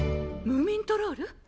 ムーミントロール？